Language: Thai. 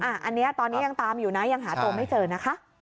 อันนี้ตอนนี้ยังตามอยู่นะยังหาตัวไม่เจอนะคะ